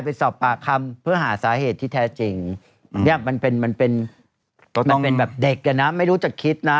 ไปสอบปากคำเพื่อหาสาเหตุที่แท้จริงเนี่ยมันเป็นมันเป็นแบบเด็กอ่ะนะไม่รู้จักคิดนะ